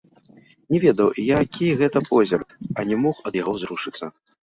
Не ведаў, які гэта позірк, а не мог ад яго зрушыцца.